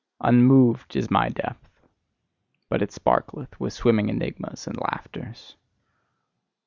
Unmoved is my depth: but it sparkleth with swimming enigmas and laughters.